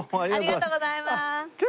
ありがとうございます。